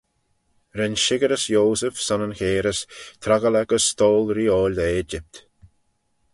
Ren shickerys Yoseph son yn cairys troggal eh gys Stoyll reeoil Egypt.